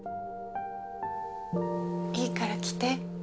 いいから来て。